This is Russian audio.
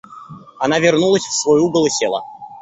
Она вернулась в свой угол и села.